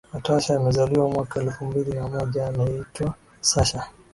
Natasha amezaliwa mwaka elfu mbili na moja anayeitwa Sasha